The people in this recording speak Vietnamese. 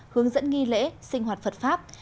hướng dẫn nghi lễ sinh hoạt phật pháp